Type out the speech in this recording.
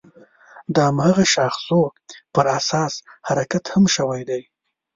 د هماغه شاخصو پر اساس حرکت هم شوی دی.